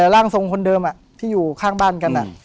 ร่างทรงคนเดิมที่อยู่ข้างบ้านกัน